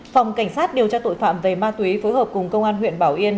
phòng cảnh sát điều tra tội phạm về ma túy phối hợp cùng công an huyện bảo yên